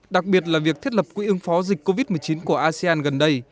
đặc biệt là việc thiết lập quỹ ương phó dịch covid một mươi chín của asean gần đây